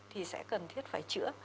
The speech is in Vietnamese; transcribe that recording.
thì sẽ cần thiết phải chữa